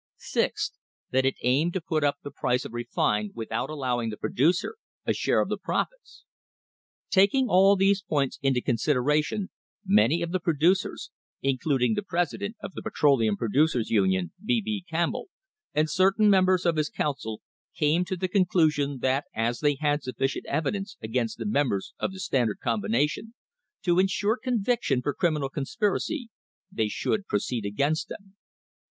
Sixth — That it aimed to put up the price of refined with out allowing the producer a share of the profits — Taking all these points into consideration, many of the pro ducers, including the president of the Petroleum Producers' Union, B. B. Campbell, and certain members of his Coun cil, came to the conclusion that as they had sufficient evi dence against the members of the Standard Combination to insure conviction for criminal conspiracy, they should pro ceed against them.